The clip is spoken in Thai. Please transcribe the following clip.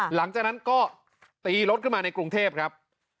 หลังจากนั้นก็ตีรถขึ้นมาในกรุงเทพครับ